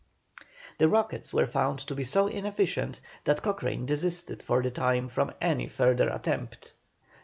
The rockets were found to be so inefficient, that Cochrane desisted for the time from any further attempt.